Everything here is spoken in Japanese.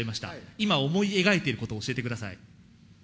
今、思い描いていること、教えてください。